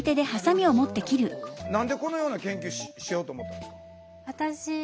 何でこのような研究しようと思ったんですか？